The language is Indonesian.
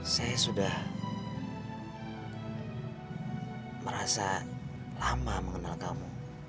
saya sudah merasa lama mengenal kamu